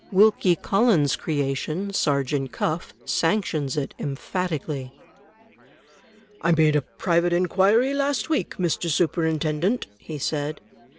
Wilkie Collins' creation, Sergeant Cuflf, sanctions it emphatically: "I made a private inquiry last week, Mr. Superintendent," he said.